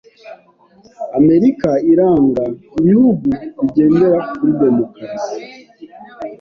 Amerika iranga ibihugu bigendera kuri demokarasi.